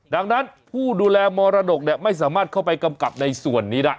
ดังนั้นผู้ดูแลมรดกไม่สามารถเข้าไปกำกับในส่วนนี้ได้